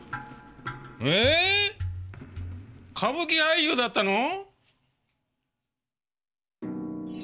え歌舞伎俳優だったの？